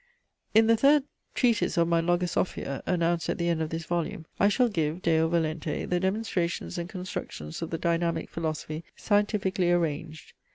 In the third treatise of my Logosophia, announced at the end of this volume, I shall give (Deo volente) the demonstrations and constructions of the Dynamic Philosophy scientifically arranged.